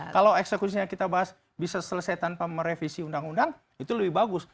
kalau eksekusinya kita bahas bisa selesai tanpa merevisi undang undang itu lebih bagus